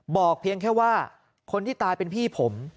เพียงแค่ว่าคนที่ตายเป็นพี่ผม